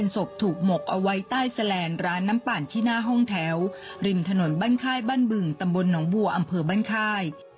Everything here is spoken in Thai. ศพถูกหมกเอาไว้ใต้แสลนด์ร้านน้ำปั่นที่หน้าห้องแถวริมถนนบ้านค่ายบ้านบึงตำบลหนองบัวอำเภอบ้านค่าย